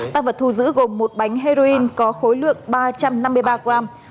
tạc vật thu giữ gồm một bánh heroin có khối lượng ba trăm năm mươi ba g